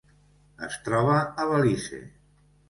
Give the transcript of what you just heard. Es troba a Belize.